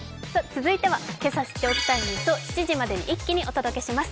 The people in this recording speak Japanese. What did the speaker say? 続いてはけさ知っておきたいニュースを７時までに一気にお届けします。